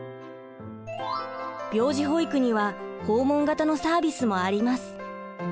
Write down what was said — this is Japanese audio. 病児保育には訪問型のサービスもあります。